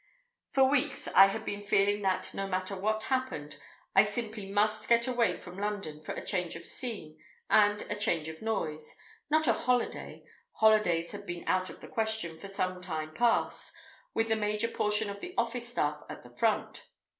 For weeks I had been feeling that, no matter what happened, I simply must get away from London for a change of scene and a change of noise—not a holiday; holidays had been out of the question for some time past, with the major portion of the office staff at the front.